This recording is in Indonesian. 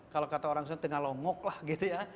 kalau kata orang tua tengah longok lah gitu ya